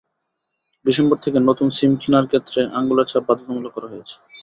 December থেকে নতুন SIM কেনার ক্ষেত্রে আঙুলের ছাপ বাধ্যতামূলক করা হয়েছে।